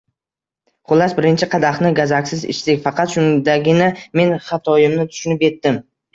Xullas, birinchi qadaxni gazaksiz ichdik. Faqat shundagina men xatoyimni tushunib yetdim.